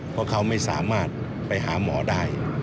เพราะเขาไม่สามารถไปหาหมอได้